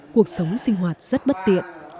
cuộc sống sinh hoạt rất bất tiện